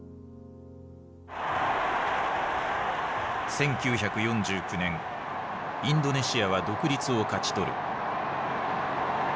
１９４９年インドネシアは独立を勝ち取る。